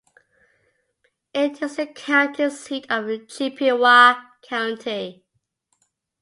It is the county seat of Chippewa County.